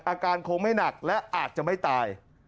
อาการคงไม่หนักและอาจจะไม่ตาย